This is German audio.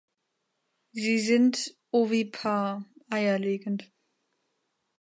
Sie sind ovipar (eierlegend).